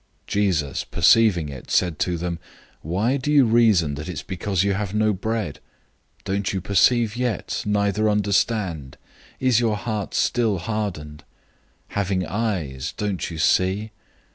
008:017 Jesus, perceiving it, said to them, "Why do you reason that it's because you have no bread? Don't you perceive yet, neither understand? Is your heart still hardened? 008:018 Having eyes, don't you see?